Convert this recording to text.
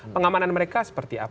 pengamanan mereka seperti apa